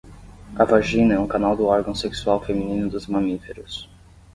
A vagina é um canal do órgão sexual feminino dos mamíferos